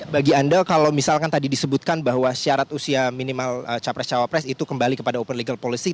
bagi anda kalau misalkan tadi disebutkan bahwa syarat usia minimal capres cawapres itu kembali kepada open legal policy